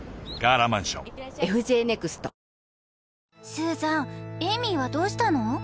スーザンエイミーはどうしたの？